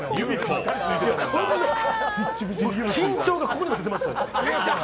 こんなん、緊張がここにも出てました、